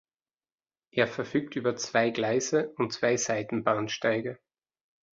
Er verfügt über zwei Gleise und zwei Seitenbahnsteige.